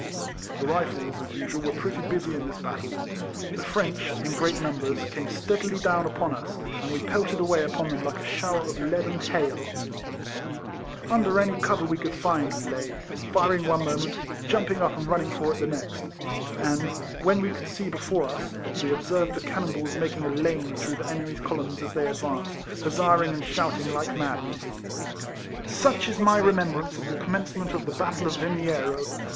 The Rifles, as usual, were pretty busy in this battle. The French, in great numbers, came steadily down upon us, and we pelted away upon them like a shower of leaden hail. 58 KECOLLECTIONS OF Under any cover we could find, we lay; firing one moment, jumping up and run ning for it the next ; and, when we could see before us, we observed the cannon balls making a lane through the enemy's columns as they advanced, huzzaing and shouting like madmen. Such is my remembrance of the com mencement of tlie battle of Yimiero.